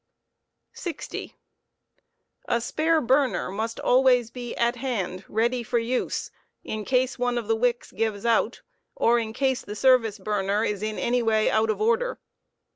spare burner. 60. A spare burner must always be at hand, ready for use, in case one of the wicks gives, out, or in case the service burner is in any way out of order.